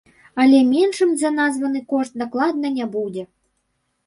Але меншым за названы кошт дакладна не будзе.